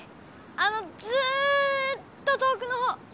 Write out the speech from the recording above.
あのずっと遠くのほう。